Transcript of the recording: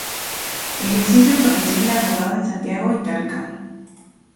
Ejerció su profesión de abogado en Santiago y Talca.